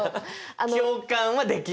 共感はできる？